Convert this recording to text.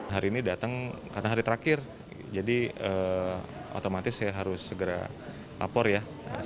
hari ini datang karena hari terakhir jadi otomatis saya harus segera lapor ya